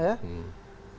beberapa yang lain